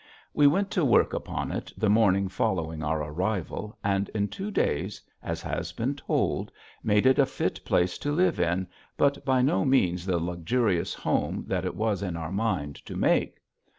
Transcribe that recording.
We went to work upon it the morning following our arrival and in two days, as has been told, made it a fit place to live in but by no means the luxurious home that it was in our mind to make.